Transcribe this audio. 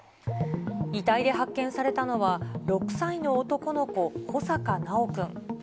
遺体で発見されたのは、６歳の男の子、穂坂修くん。